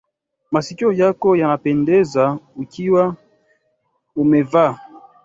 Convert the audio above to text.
Masikio yako yanapendeza ukiwa umevaa.